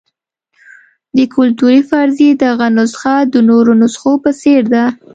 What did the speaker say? د کلتوري فرضیې دغه نسخه د نورو نسخو په څېر ده.